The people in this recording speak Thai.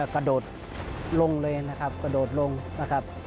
กระโดดลงเลยนะครับกระโดดลงนะครับ